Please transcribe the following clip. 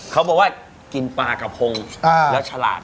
เขาบอกว่ากินปลากระพงแล้วฉลาด